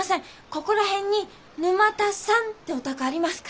ここら辺に沼田さんってお宅ありますか？